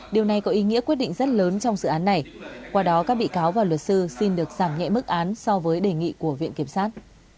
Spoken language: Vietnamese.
điều này có ý nghĩa quyết định rất lớn trong dự án này qua đó các bị cáo và luật sư xin được giảm nhẹ mức án so với đề nghị của viện kiểm sát